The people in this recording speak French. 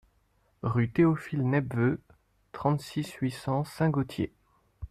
Rue Théophile Nepveu, trente-six, huit cents Saint-Gaultier